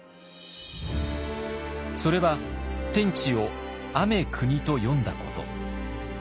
それは「天地」を「アメクニ」と読んだこと。